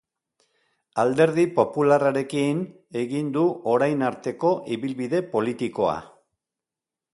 Alderdi Popularrarekin egin du orain arteko ibilbide politikoa.